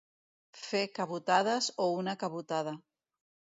Fer cabotades o una cabotada.